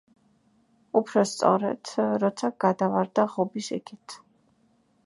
უფრო სწორედ, როცა გადავარდა ღობის იქით.